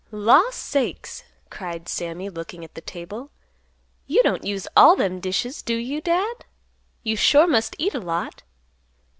"Law sakes!" cried Sammy, looking at the table. "You don't use all them dishes, do you, Dad? You sure must eat a lot."